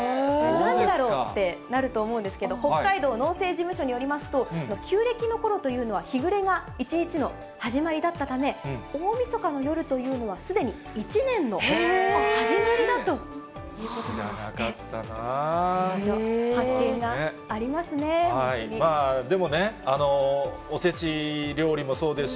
なんでだろうってなると思うんですけれども、北海道農政事務所によりますと、旧暦のころというのは、日暮れが一日の始まりだったため、大みそかの夜というのは、すでに一年の始まりということなんだそうです。